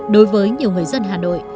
đối với nhiều người dân hà nội